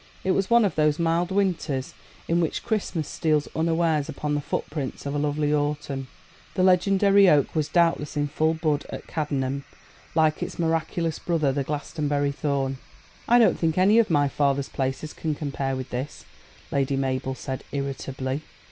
It was one of those mild winters in which Christmas steals unawares upon the footprints of a lovely autumn. The legendary oak was doubtless in full bud at Cadenham, like its miraculous brother, the Glastonbury thorn. "I don't think any of my father's places can compare with this," Lady Mabel said irritably.